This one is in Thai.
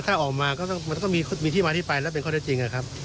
ถ้าออกมาก็ต้องมีที่มาที่ไปแล้วเป็นข้อได้จริงนะครับ